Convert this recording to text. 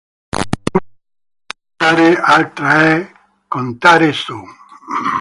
Una cosa è “contare”, altra è “contare su”.